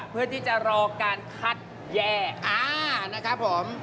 เพื่อที่จะรอการคัดแย่นะครับผม